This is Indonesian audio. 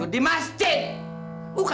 yuk allahnya robi